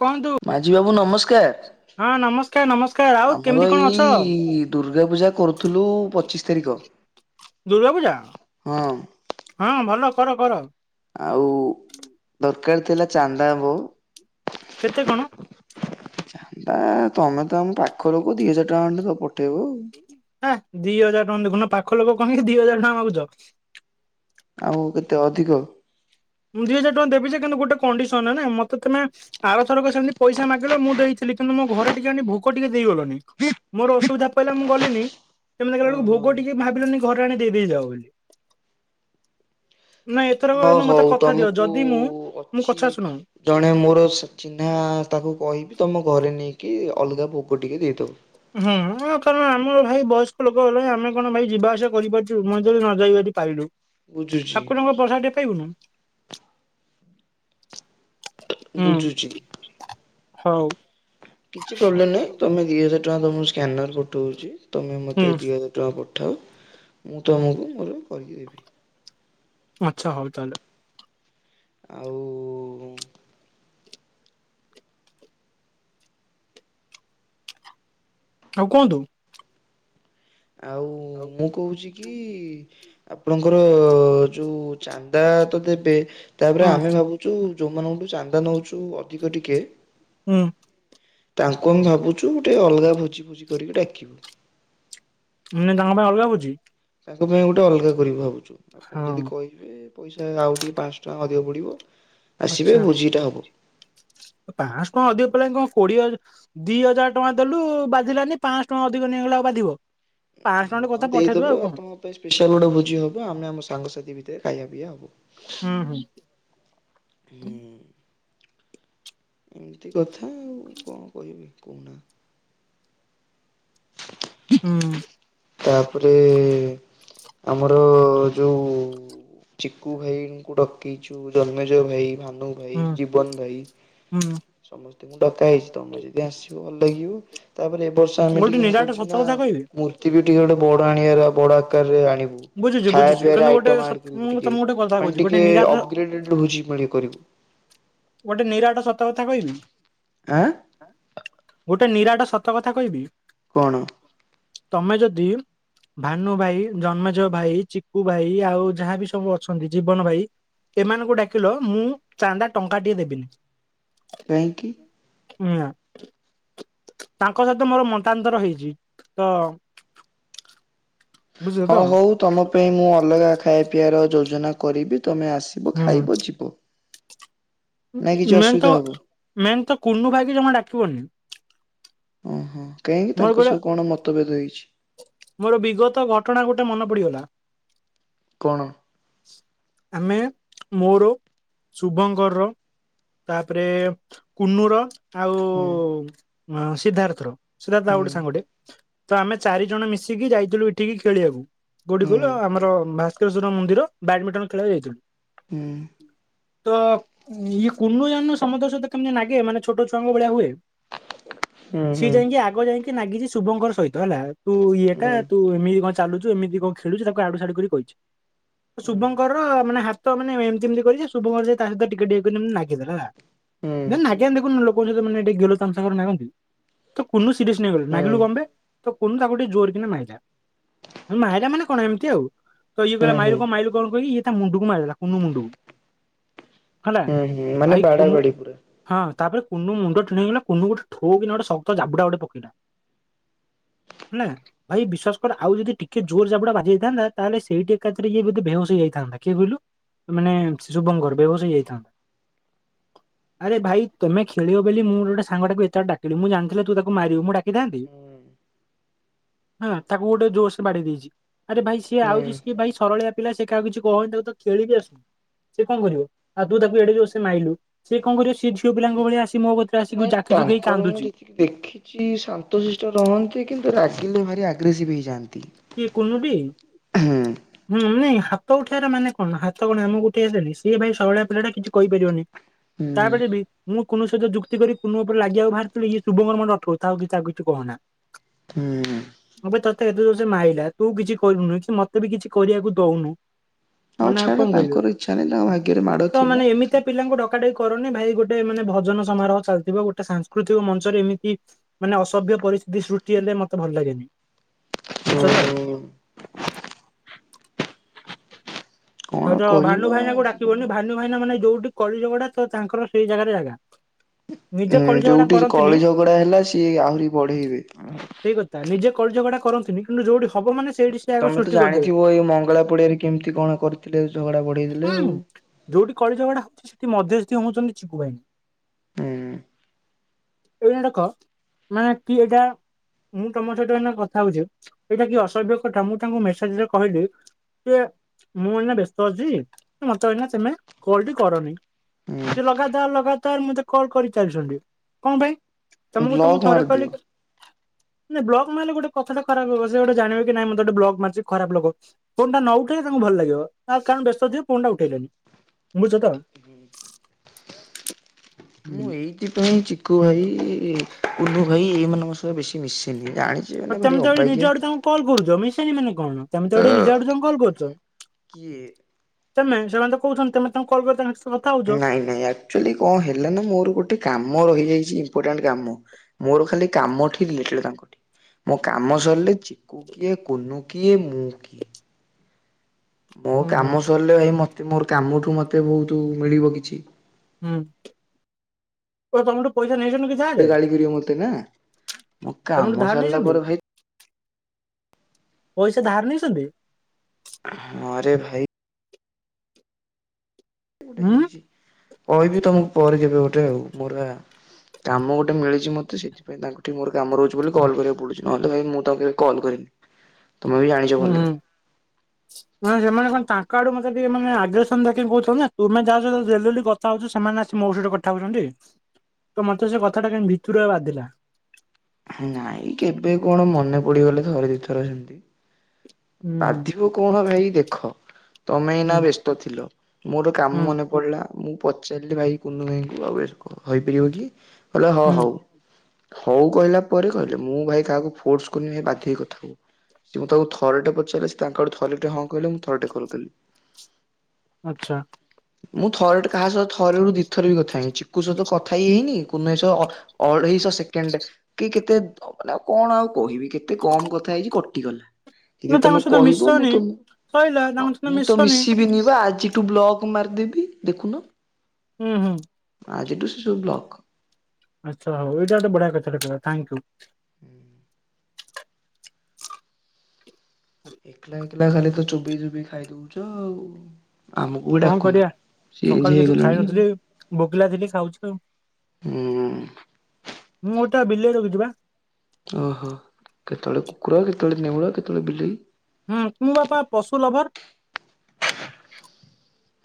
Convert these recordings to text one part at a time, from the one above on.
କୁହନ୍ତୁ ମାଝୀ ବାବୁ ନମସ୍କାର ହଁ ନମସ୍କାର ନମସ୍କାର ଆଉ କେମିତି ଆମର କଣ ଅଛ? ଏଇ ଦୁର୍ଗା ପୂଜା କରୁଥିଲୁ ପଚିଶି ତାରିଖ। ଦୁର୍ଗା ପୂଜା ହଁ ହଁ ଭଲ କର କର। ଆଉ ଦରକାର ଥିଲା ଚାନ୍ଦା ଆମ୍ଭକୁ। କେତେ କଣ? ନାଆ ତମେ ତ ଆମ ପାଖ ଲୋକ ଦି ହଜାର ଟଙ୍କା ଖଣ୍ଡେ ତ ପଠେଇବ ଆଉ। ହେଁ ଦି ହଜାର ଟଙ୍କା ଦେଖୁନ ପାଖ ଲୋକ କହିକି ଦି ହଜାର ଟଙ୍କା ମାଗୁଚ। ଆଉ କେତେ ଅଧିକ। ମୁଁ ଦି ହଜାର ଟଙ୍କା ଦେବି ଯେ କିନ୍ତୁ ଗୋଟେ କଣ୍ଡିସନ୍ ନା ମତେ ତମେ ଆରଥରକ ସେମିତି ପଇସା ମାଗିଲ ମୁଁ ଦେଇଥିଲି କିନ୍ତୁ ମୋ ଘରେ ଟିକେ ଆଣି ଭୋଗ ଟିକେ ଦେଇଗଲନି। ମୋର ଅସୁବିଧା ପଇଲା ମୁଁ ଗଲିିନି ତମେ ଦେଖିଲାବେଳକୁ ଓହୋ ଭୋଗ ଟିକେ ଭାବିଲନି ଘରେ ଆଣି ଦେଇ-ଦେଇ ଯାଉ ବୋଲି। [inaudible] ନାଇଁ ଏଥରକ ହଉ ହେନେ ମତେ ହଉ କ ତମକୁ ଅଛି ଜଣେ ମୋର ସଚିହ୍ନା ତାକୁ କହିବି ତମ ଘରେ ନେଇକି ଅଲଗା ଭୋଗ ଟିକେ ଦେଇଦବ। ହୁଁ କାରଣ ଆମର ଭାଇ ବୟସ୍କ ଲୋକ ହେଲେଣି ଆମେ କଣ ଭାଇ ଯିବା ଆସିବା କରିପାରୁଚୁ [unintelligible] ଯଦି ନଯାଇ ଯଦି ପାଇଲୁ ବୁଝୁଛି ଠାକୁରଙ୍କ ପ୍ରସାଦ ଟିକେ ପାଇବୁନୁ। ହୁଁ ବୁଝୁଚି। ହଉ। କିଛି ପ୍ରୋବ୍ଲେମ୍ ନାହିଁ ତମେ ଦି ହଜାର ଟଙ୍କା ତମକୁ ସ୍କାନର ପଠଉଛି ତମେ ମତେ ହୁଁ ଦି ହଜାର ଟଙ୍କା ପଠାଅ ମୁଁ ତୁମକୁ ମୋର କରିକି ଦେବି। ଆଚ୍ଛା ହଉ ତାହେଲେ। ଆଉ ଆଉ କୁହନ୍ତୁ? ଆଉ ମୁଁ କହୁଚି କି ଆପଣଙ୍କର ଯୋଉ ଚାନ୍ଦା ତ ଦେବେ ତାପରେ ହୁଁ ଆମେ ଭାବୁଚୁ ଯୋଉମାନଙ୍କଠୁ ଚାନ୍ଦା ନଉଚୁ ଅ ଧିକ ଟିିକେ ହୁଁ ତାଙ୍କୁ ଆମେ ଭାବୁଛୁ ଗୋଟେ ଅଲଗା ଭୋଜି-ଭୋଜି କରିକି ଡାକିବୁ। ମାନେ ତାଙ୍କ ପାଇଁ ଅଲଗା ଭୋଜି? ତାଙ୍କ ପାଇଁ ଗୋଟେ ଅଲଗା କରିବୁ ଭାବୁଛୁ ଆପଣ ହଁ ଯଦି କହିବେ ପଇସା ଆଉ ଟିକେ ପାଁଶ ଟଙ୍କା ଅଧିକ ପଡ଼ିବ। ଆସିବେ ଆଛା ଭୋଜିଟା ହବ ପାଞ୍ଚଶହ ଟଙ୍କା ଅଧିକ ପଡ଼ିଲାଣି କଣ କୋଡିଏ ଦି ହଜାର ଟଙ୍କା ଦେଲୁ ବାଧିଲାନି ପାଞ୍ଚଶ ଟଙ୍କା ଅଧିକ ନେଇଗଲା ଆଉ ବାଧିବ। ପାଞ୍ଚଶ ଟଙ୍କାଟେ କଥା ପଠେଇଦବା ଆଉ କଣ। ଆମ ପାଇଁ ସ୍ପେଶାଲ୍ ଗୋଟ ଭୋଜି ହବ ଆମେ ଆମ ସାଙ୍ଗସାଥି ଭିତରେ ଖାଇବା ପିଇବା ହବ। ହୁଁ-ହୁଁ। ହୁଁ। ଏମିତି କଥା ଆଉ କଣ କହିବି କହୁନା। ହୁଁ ତାପରେ ଆମର ଯୋଉ ଚିକୁୁ ଭାଇଙ୍କୁ ଡକେଇଚୁ ଜନ୍ମେଜ୍ ଭାଇ, ଭାନୁ ଭାଇ, ହୁଁ ଜୀବନ୍ ଭାଇ ହୁଁ। ସମସ୍ତେଙ୍କୁ ଡକା ହେଇଛି ତମେ ଯଦି ଆସିବ ଭଲ ଲାଗିବ, ତାପରେ ଏ ବର୍ଷ ଆମେ ଗୋଟେ ଟିକେ କଣ ନିରାଟ କରିଛୁ ସତ ନା କଥା କହିବି ମୂ [unintelligible] ଟିକେ ଗୋଟେ ବଡ ଆଣିବାର ବଡ ଆକାରରେ ଆ ଣିବୁ ବୁଝୁଛି ବୁଝୁଛି ଖାଇବାପିବା ରେ କିନ୍ତୁ ଗୋଟେ ଆଇଟମ୍ ସତ ଆଡ୍ କରିବୁ ମୁଁ ଟିକେ ତମକୁ ଗୋଟେ କଥା କହୁଛି ମାନେ ଗୋଟେ ଟିକେ ନିରାଟ ଅପଗ୍ରେଡେଡ୍ ରହିଚି ମାନେ କରିବୁ। ଗୋଟେ ନିରାଟ ସତ କଥା କହିବି? [unintelligible] ଗୋଟେ ନିରାଟ ସତ କଥା କହିବି? କଣ? ତମେ ଯଦି ଭାନୁ ଭାଇ ଜନ୍ମଜୟ ଭାଇ ଚିକୁୁ ଭାଇ ଆଉ ଯାହାବି ସବୁ ଅଛନ୍ତି ଜୀବନ ଭାଇ ଏମାନଙ୍କୁ ଡାକିଲ ମୁଁ ଚାନ୍ଦା ଟଙ୍କାଟିଏ ଦେବିନି। କାହିଁକି? ନା ତାଙ୍କ ସହିତ ମୋର ମତାନ୍ତର ହେଇଛି ତ ବୁଝିଲ ତ ହଉ ହଉ ତମ ପାଇଁ ମୁଁ ଅଲଗା ଖାଇବା ପିବାର ଯୋଜନା କରିବି ତମେ ଆସ ବ ହୁଁ ଖାଇବ ଯିବ। ନାଇଁ କିଛି ମେନ୍ ତ ଅସୁବିଧା ହବ ମେନ୍ ତ କୁନୁ ଭାଇକି ଜମା ଡାକିବନି। ଓହୋ କାହିଁକି ମୋର ତାଙ୍କ ଗୋଟେ ସହ କଣ ମତଭେଦ ହେଇଛି? ମୋର ବିଗତ ଘଟଣା ଗୋଟେ ମନେ ପଡିଗଲା। କଣ? ଆମେ ମୋର ଶୁଭଙ୍କର ତାପରେ କୁନୁର ହୁଁ ଆଉ ସିଦ୍ଧାର୍ଥ ର। ସିଦ୍ଧାର୍ଥ ତା ଆଉ ହୁଁ ଗୋଟେ ସାଙ୍ଗଟେ ତ ଆମେ ଚାରି ଜଣ ମିଶିକି ଯାଇଥିଲୁ ଏଠିକି ଖେଳିବାକୁ। କୋଉଠି ହୁଁ କହିଲ ଆମର ଭାସ୍କରେଶ୍ୱର ମନ୍ଦିର ବ୍ୟାଡମିଣ୍ଟନ ଖେଳିବାକୁ ଯାଇଥିଲୁ। ହୁଁ। ତ ଇଏ କୁନୁ ଜାଣିନୁ ସମସ୍ତଙ୍କ ସହ କେମିତି ନାଗେ ମାନେ ଛୋଟ ଛୁଆଙ୍କ ଭଳିଆ ହୁଏ। ହୁଁ ହୁଁ ସିଏ ଯାଇକି ହୁଁ। ଆଗ ଯାଇକି ନାଗିଛି ଶୁଭଙ୍କର ସହିତ ହେଲା। ତୁ ଇଏଟା ତୁ ଏମିତି କଣ ଚାଲୁଛୁ ଏମିତି କଣ ଖେଳୁଛୁ ତାକୁ ଆଡୁସାଡୁ କରି କହିଛି। ତ ଶୁଭଙ୍କର ର ମାନେ ହାତ ମାନେ ଏମତି ଏମତି କରିଛି ଶୁଭଙ୍କର ତା ସହିତ ଟିକେ ଟିକେ କରି ନାଗିଦେଲା ହେଲା। ହୁଁ ହୁଁ ହୁଁ ନା ନାଗ ଆଜ୍ଞା ଦେଖୁନୁ ଲୋକସହିତ ମାନେ ଟିକେ ଗେଲ ତାମସା କରି ନାଗନ୍ତି ତ କୁନୁ ସିରିୟସ ନେଇ ଗଲେ ନାଗିଲୁ କଣ ବେ ତ କୁନୁ ତାକୁ ଟିକେ ଜୋର କିନା ମାଇଲା। ମହିଲା ମାନେ କଣ ଏମିତି ଆଉ। ତ ଇଏ କହିଲା ହୁଁ ମାଇଲୁ ହୁଁ କଣ ମାଇଲୁ କଣ କହିକି ଇଏ ତା ମୁଣ୍ଡକୁ ମାରିଦେଲା କୁନୁ ମୁଣ୍ଡକୁ। ହେଲା। ହୁଁ ହୁଁ ମାନେ ଭାଇ ବାଡା କୁନୁ ବାଡି ପୁରା। ହଁ ତାପରେ କୁନୁ ମୁଣ୍ଡ ଟିଣ ହେଇଗଲା କୁନୁ ଗୋଟେ ଠୋ କିନି ଗୋଟେ ଶକ୍ତ ଜାବୁଟା ଗୋଟେ ପକେଇଲା। [inaudible] ହେନା। ଭାଇ ବିଶ୍ୱାସ କର ଆଉ ଯଦି ଟିକେ ଜୋର ଜାବୁଡା ବାଜି ଯାଇଥାନ୍ତା ତାହେଲେ ସେଇଠି ଏକାଥରେ ଇଏ ବୋଧେ ବେହୋସ ହେଇଯାଇଥାନ୍ତା କିଏ କହିଲୁ? ମାନେ ଶୁଭଙ୍କର ବେହୋସ ହେଇ ଯାଇଥାନ୍ତା। ଆରେ ଭାଇ ତମେ ଖେଳିବ ବୋଲି ମୁଁ ଗୋଟେ ସାଙ୍ଗଟାକୁ ଏତେ ବାଟ ଡ଼ାକିଲି ମୁଁ ଜା ହେଲେ ତୁ ତାକୁ ମାରିବୁ ମୁଁ ଡାକିଥାନ୍ତି? ହୁଁ। ହଁ ତାକୁ ଗୋଟେ ଜୋରସେ ବାଡେଇ ଦେଇଛି। ଆରେ ଭାଇ ସିଏ ହୁଁ ଆଉଛି ସିଏ ଭାଇ ସରଳିଆ ପିଲା ସେ କାହା କିଛି କହୁନି ତାକୁ ତ ଖେଳିକି ଆସ। ସେ କଣ କରିବ? ଆଉ ତୁ ତାକୁ ଏଡେ ଜୋର ସେ ମାଇଲୁ ସେ କଣ କରିବ? ସିଏ ଝିଅ ପିଲାଙ୍କ ଭଳି ଆସି ମୋ କ ଆସିକି ନାଇଁ ଜାକିଜୁକି ହେଇକି ତାଙ୍କର ମୁଁ କାନ୍ଦୁଛି। ଯେତିକି ଦେଖିଛି ଶାନ୍ତଶିଷ୍ଟ ରହନ୍ତି କିନ୍ତୁ ରାଗିଲେ ଭାରି ଆଗ୍ରେସିଭ୍ ହେଇଯାଆନ୍ତି। କିଏ କୁନୁଟି? ହୁଁ। ହୁଁ ନାଇଁ ହାତ ଉଠେଇବାର ମାନେ କଣ ହାତ କଣ ଆମକୁ ଉଠେଇ ଆସେନି। ସିଏ ଭାଇ ସରଳିଆ ପିଲାଟା କିଛି କହିପାରିବନି ହୁଁ ତାପରେ ବି ମୁଁ କୁନୁ ସହିତ ଯୁକ୍ତି କରି କୁନୁ ଉପରେ ଲାଗିବାକୁ ବାହାରାରୁଥିଲି ଇଏ ଶୁଭଙ୍କର ମତେ ଅଟକଉଛି ଥାଉ କିଛି ଆଉ କିଛି କହନା। ହୁଁ। ଆବେ ତତେ ଏତେ ଜୋର ମତେ ମାଇଲା ତୁ କିଛି କହିନୁ କି ମତେ ବି କିଛି କରିବାକୁ ଦଉନୁ। ହଉ ମାନେ ଆଉ ଛାଡ କଣ କହିବି। ତାଙ୍କର ଇଚ୍ଛା ନାହିଁ ତାଙ୍କ ଭାଗ୍ୟରେ ମାଡ ତ ମାନେ ଥିଲା। ଏମିତିଆ ପିଲାଙ୍କୁ ଡକା ଡକି କରନି ଭାଇ ଗୋଟେ ମାନେ ଭଜନ ସମାରୋହ ଚାଲିଥିବ ଗୋଟେ ସାଂସ୍କୃତିକ ମଞ୍ଚରେ ଏମିତି ମାନେ ଅସଭ୍ୟ ପରିସ୍ଥିତି ସୃଷ୍ଟି ହେଲେ ମତେ ଭଲ ଲାଗେନି ବୁଝିଛ ତ? କଣ ଭାନୁ କରିବା ଭାଇନାଙ୍କୁ ଆଜିକାଲି। ଡାକିବନି ଭାନୁ ଭାଇନା ମାନେ ଯୋଉଠି କଳିଝଗଡା ତ ତାଙ୍କର ସେଇ ଜାଗାରେ ଜାଗା। ନିଜେ ହୁଁ କଳି ଝଗଡା ଯୋଉଠି କରନ୍ତିନି କଳି ଝଗଡା ହେଲା ସିଏ ଆହୁରି ବଢେଇବେ। ସେଇ ନିଜେ କଲି ଝଗଡା କରନ୍ତିନି କିନ୍ତୁ ଯୋଉଠି ହବ ମାନେ ସେଇଠି ସେ ଆଗ ତମେ ତ ସୃଷ୍ଟି କରିଦେବେ ଜାଣିଥିବ ଏଇ ମଙ୍ଗଳା ପଡିଆରେ କେମିତି କଣ କରିଥିଲେ ଝଗଡା ପଡି ହୁଁ ଯୋଉଠି କଳି ଝଗଡା ହଉଛି ସେଠି ମଧ୍ୟସ୍ଥିି ହଉଛନ୍ତି ଚିକୁ ଭାଇ। ହୁଁ ଏଇନା ଡାକ ମାନେ କିଏ ଏଇଟା ମୁଁ ତମ ସହିତ ଏଇନା କଥା ହଉଛି ଏଇଟା କି ଅସଭ୍ୟ କଥା ମୁଁ ତାଙ୍କୁ ମେସେଜରେ କହିଲି ସେ ମୁଁ ଏଇନା ବ୍ୟସ୍ତ ଅଛି ମତେ ଏଇନା ତମେ କଲ୍ ଟି କରନି। ହୁଁ ସେ ଲଗାତାର ଲଗାତାର ମତେ କଲ୍ କରିଚାଲିଛନ୍ତି କଣ ପାଇଁ। ତମକୁ ତ ମୁଁ ବ୍ଲକ ଥରେ କହିଲି ମାରିଦିଅ। ନା ବ୍ଲକ ମାରିଲେ ଗଟେ କଥା ଟା ଖରା ଲୋକ ସେ ଗୋଟେ ଜାଣେ କି ନାହିଁ ମତେ ବ୍ଲକ ମାରଛି ଖରାପ ଲୋକ। ଫୋନ ଟା ନ ଉଠେଇଲେ ତାଙ୍କୁ ଭଲ ଲାଗିବ। ନା କାରଣ ବ୍ୟସ୍ତ ଥିବ ଫୋନ୍ ଟା ଉଠେଇଲେଣିି ବୁଝୁଚ ତ? ମୁଁ ଏଇଥିପାଇଁ ଚିକୁୁ ଭାଇ କୁଲୁ ଭାଇ ଏଇମାନଙ୍କ ବେଶୀ ମିଶେନି ଜାଣିଛି ଆଉ ଏମାନେ ତମେ ଭାରି ତ ଏଠି ନିଜ ଅବାଗିଆ। ଆଡୁ ତାଙ୍କୁ କଲ୍ କରୁଛ ମିଶେନି ମାନେ କଣ ତମେ ନିଜ ଆଡୁ କଲ୍ କରୁଛ। କିଏ ତମେ ସେମାନେ ତ କହୁଛନ୍ତି ତମେ ତାଙ୍କୁ କଲ୍ [unintelligible] ନାଇଁ ନାଇଁ ଏକ୍ଟୁଆଲି କଣ ହେଲେ ନା ମୋର ଗୋଟେ କାମ ରହିଯାଇଛି ଇମ୍ପୋର୍ଟାଣ୍ଟ କାମ। ମୋର ଖାଲି କାମ ଟି ମୋ କାମ ସରିଲେ ଚିକୁ କିଏ କୁନୁ କିଏ ମୁଁ କିଏ? ମୋ ହୁଁ ହୁଁ କାମ ସରିଲେ ଭାଇ ମତେ ମୋର କାମଠୁ ମତେ ବହୁତ ମିଳିବ କିଛି। ହୁଁ ଓ ତମେଠୁ ପଇସା ନେଇଛନ୍ତି କିଛି ଗୋଟେ ଗାଳି କରିବ ମତେ ନା ମୋ ତମଠୁ କାମ ଧାର ସାରିଲା ନେଇଛନ୍ତି ପରେ ଭାଇ ପଇସା ଧାର ନେଇଛନ୍ତି? ହଁରେ ଭାଇ। ଉଁ। କହିବି ତମକୁ ପରେ କେବେ ଗୋଟେ ପୁରା କାମ ଗୋଟେ ମିଳିଛି ମୋତେ ସେଥି ତାଙ୍କଠୁ ମୋର କାମ ରହୁଛି ବୋଲି କଲ୍ କରିବାକୁ ପଡୁଛି ନହେଲେ ଭାଇ ମୁଁ ତାଙ୍କୁ କେବେ କଲ୍ କରିନି। ତମେ ବି ଜାଣିଛ ଭଲରେ। ହୁଁ। ହ ସେମାନେ କଣ ତାଙ୍କ ଆଡୁ ମତେ ଟିକେ ମ ଆଗେସନ କହୁଛନ୍ତି ନା ତୁମେ ଯାଛ [unintelligible] ସେମାନେ ଆସି ମୋ ସହିତ କଥା ହଉଛନ୍ତି ତ ମତେ ସେ କଥା ଟା କାଇଁ ଭିତୁଆରି ବାଧିଲା। ନାଇଁ କେବେ କଣ ମନେ ପଡିଗଲେ ଥରେ ଦୁଇଥର ସେମିତି। ହୁଁ ହୁଁ ବାଧିବ କଣ ଭାଇ ଦେଖ ତମେ ନା ହୁଁ ବ୍ୟସ୍ତ ଥିଲ ମୋର କାମ ହୁଁ ମନେ ପଡିଲା ମୁଁ ପଚାରିଲି ଭାଇ କୁନୁ ଭାଇଙ୍କୁ ଆଉ ହେଇପାରିବ କି? କହିଲେ ହଁ ହୁଁ ହଉ ହଉ କହିଲା ପରେ କହିଲେ ମୁଁ ଭାଇ କାହାକୁ ଫୋର୍ସ କନି ଭ ଵାଧୀବା କଥାକୁ। ସେ ମୁଁ ତାଙ୍କୁ ଥରଟେ ପଚାରିଲି ସେ ତାଙ୍କ ଆଡୁ ଥରେ ଟେ ହଁ କହିଲେ ମୁଁ ଥରଟେ କଲ୍ କଲି। ଆଛା। ମୁଁ ଥରଟେ କାହା ସହ ଥରେ ରୁ ଦି ଥର ବି କଥାହେଇନି ଚିକୁୁ ସତ କଥା ହଇ ହେଇନି କୁ ଅଢେଇଶ ସେକେଣ୍ଡ। କି କେତେ ମାନେ ଆଉ କଣ ଆଉ କହିବି କେତେ କମ କଥା ହେଇଛି କଟିଗଲା। ଯଦି ନା ତାଙ୍କ ତମେ ସହିତ କହିବ ମୁଁ ମିଶନି। ତମ ସଇଲା ତାଙ୍କ ସହିତ ମୁଁ ତ ମିଶନି ମିଶିବିନି ଵା ଆଜି ଟୁ ବ୍ଲକ ମାରିଦେବି ଦେଖୁନୁ। ହୁଁ ହୁଁ। ଆଜି ଟୁ ଶିଶୁ ବ୍ଲକ ଆଛା ହୋଉ ଏଇଟା ଗଟେ ବଢିଆ କଥାଟେ [unintelligible] ଥାକ୍ୟୁ। ହୁଁ। ଏକଲା ଏକଲା ଖାଲି ତ ଚୋବେଇ ଚୋବେଇ ଖାଇ ଦଉଚ ଆଉ। ଆମକୁ ବି କଣ ଡାକୁନୁ କରିବା ସକାଳୁ ଚେଞ୍ଜ କିଛି ଖାଇ ହେଇଗଲଣି ଆଉ। ନଥିଲି ଭୋକିଲା ଥିଲି ଖାଉଛି ଆଉ ହୁଁ। ମୁଁ ତା ବିଲ ଜଗିଚି ବା। ଓହୋ କେତେବେଳେ କୁକୁର କେତେବେଳେ ନେଉଳ କେତେବେଳେ ବିଲେଇ ହୁଁ ମୁଁ ବାପା ପଶୁ ଲଭର।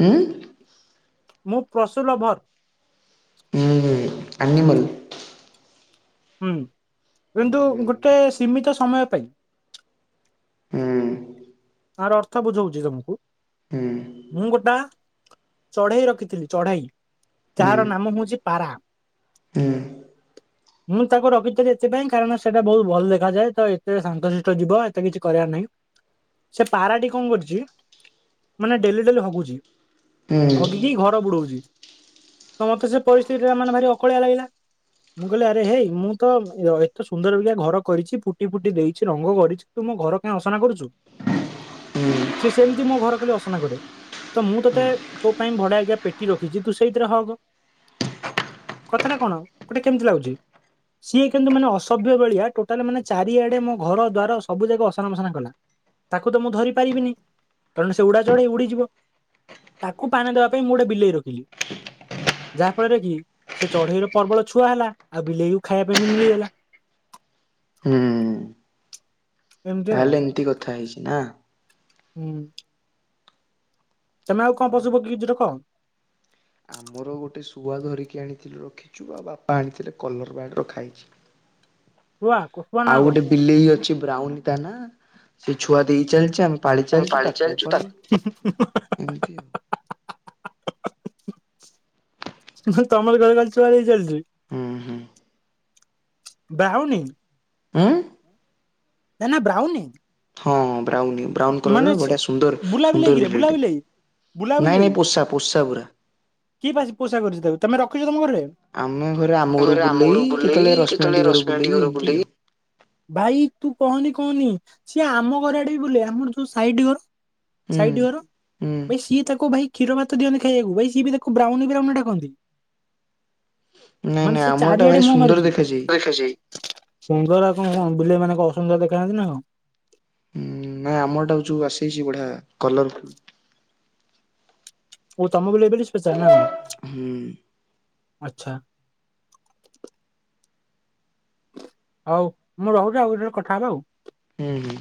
ଉଁ ମୁଁ ପ୍ରସୁ ଲଭର। ଉଁ ହୁଁ ହୁଁ ଆନିମଲ ହୁଁ କିନ୍ତୁ ହୁଁ ଗୋଟେ ସୀମିତ ସମୟ ପାଇଁ। ହୁଁ ତାର ଅର୍ଥ ବୁଝଉଛି ତମକୁ ହୁଁ ମୁଁ ଗୋଟା ଚଢେଇ ରଖିଥିଲି ଚଢେଇ ହୁଁ ଚାହାର ନାମ ହୋଉଚି ପାରା [inaudible] ମୁଁ ତାକୁ ରଖିଥିଲି ଏଥିପାଇଁ କାରଣ ସେଟ ବହୁତ ଭଲ ଦେଖାଯାଏ ତ ଏତ ଶାନ୍ତଶିଷ୍ଟ ଯିବ ଏତେ କିଛି କରିବାର ନାହିଁ। ସେ ପାରାଟି କଣ କରିଚି ମାନେ ଡେଲି ଡେଲି ହଗୁଚି ହୁଁ ହୁଁ ହଗିକି ଘର ବୁଡଉଚି ତ ମତେ ସେ ପରିସ୍ଥିତି ରା ମାନେ ଭାରି ଅକଳିଆ ଲାଗିଲା ମୁଁ କହିଲି ଆରେ ହେଇ ମୁଁ ତ ଏତେ ସୁନ୍ଦରା ଘର କରିଛି ପୁଟି ଫୁଟି ଦେଇଛି ରଙ୍ଗ କରିଛି ତୁ ମୋ ଘର କାଇଁ ଅସନା କରୁଚୁ? ସେ ସେମିତି ମୋ ଘର କାଲି ଅସନା କରେ। ତ ମୁଁ ତୋତେ ତୋ ପାଇଁ ଭଡା ଆଜ୍ଞା ପେଟି ରଖିଛି ତୁ ସେଇଥିରେ ହଗ କଥାଟା କଣ ଗୋଟେ କେମିତି ଲାଗୁଚି। ସିଏ କିନ୍ତୁ ମାନେ ଅସଭ୍ୟ ଭଳିଆ ଟୋଟାଲ ମାନେ ଚାରିଆଡେ ମୋ ଘର ଦ୍ଵାର ସବୁ ଯାକ ଅସନ ମସନା କଲା। ତାକୁ ତ ମୁଁ ଧରି ପାରିବିନି କାରଣ ସେ ଉଡା ଚଢେଇ ଉଡିଯିବ ତାକୁ ପାନେ ଦେବା ପାଇଁ ମୁଁ ଗୋଟେ ବିଲେଇ ରଖିଲି। ଯାହା ଫଳରେ କି ସେ ଚଢେଇର ପ୍ରବଳ ଛୁଆ ହେଲା ଆଉ ବିଲେଇକୁ ଖାଇବା ପାଇଁ ବି ମିଳିଗଲା। ହୁଁ ଏମିତି ଆଉ ତାହେଲେ ଏମିତି କଥା ହେଇଛି ନା। ହୁଁ। ତମେ ଆଉ କଁ ପଶୁ ପକ୍ଷୀ କିଛି ରଖ? ଆମର ଗୋଟେ ଶୁଆ ଧରିକି ଆଣିଥିଲୁ ରଖିଚୁଁ ଆଉ ବାପା ଆଣିଥିଲେ କଲର ବାର୍ଡ଼ ରଖା ହେଇଛି। ଶୁଆ କୋ ଆଉ ଗୋଟେ ବିଲେଇ ଅଛି ବ୍ରାଉନ ତା ନା ସେ ଛୁଆ ଦେଇ ଚାଲିଚି ଆମେ ପାଳି [unintelligible] ମୁ ଚାଲିଛୁ ତମର ତାକୁ ଘରେ ବି ଖାଲି ପାଳୁ ଏମିତି ଆଉ। ଛୁଆ ଦେଇ ଚାଲ ହୁଁ ହୁଁ ଡାହଉନି ଉଁ ନା ନା ବ୍ରାଉନି ହଁ ବ୍ରାଉନି। ବ୍ରାଉନ ମାନେ କଲର ସେ ବଢିଆ ସୁନ୍ଦର ବୁଲା ବିଲେଇ ସୁନ୍ଦର କିରେ ବୁଲା ବିଲେଇଟେ ବିଲେଇ ବୁଲା ନାଇଁ ନାଇଁ ପୋଷା ପୋଷା ପୁରା। କି ପାଶି ପୋସା କରୁଛି ତାକୁ ତମେ ରଖିଚ ତମ ଘରେ? ଆମେ ଆମ ଘରକୁ ଘରେ ଆମ ଘରୁ ବୁଲେଇ କେତେବେଳେ ରଶ୍ମି ଆଣ୍ଟି କେତେବେଳେ ଘରକୁ ରଶ୍ମି ବୁଲେଇ ଆଣ୍ଟି ଘରକୁ ଏମିତି ଆଉ ବୁଲେଇ ଭାଇ ତୁ କହନି କହନି ସିଏ ଆମ ଘର ଆଡେ ବି ବୁଲେ ଆମର ଯୋଉ ସାଇଡ ଘର ହୁଁ। ସାଇଟଘରୁ ହୁଁ ଭାଇ ସିଏ ତାକୁ ଭାଇ କ୍ଷୀର ଭାତ ଦିଅନ୍ତି ଖାଇବାକୁ ଭାଇ ସିଈ ବି ତାକୁ ବ୍ରାଉନ ବ୍ରାଉନ ଡାକନ୍ତି। ନାଇଁ ମାନେ ନାଇଁ ସେ ଆମରଟା ଭାରି ଚାରିଆଡେ ମୁହଁ ସୁନ୍ଦର ମାରୁଛି। ଦେଖାଯାଏ। ସୁନ୍ଦର ଆଉ କଣ କଣ ବିଲେଇ ମାନେ କଣ ଅସୁନ୍ଦର ଦେଖାଯାଆନ୍ତି ନା କଣ। ଉଁ ନାଇଁ ଆମର ଟା ଯୋଉ ଆସିଛି ବଢିଆ କଲର ଓ ତମ ବିଲେଇ ବୋଲି ସ୍ପେସିଆଲ ନା କଣ ହୁଁ ଆଛା। ହଉ ମୁଁ ରହୁଛି ଆଉ କେତେବେଳେ କଥା ହବା ଆଉ। ହୁଁ ହୁଁ।